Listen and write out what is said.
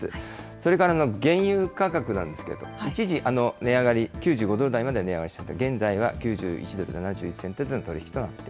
それから原油価格なんですけれど、一時、値上がり、９５ドル台まで値上がりして、現在は９１ドル７１セントでの取り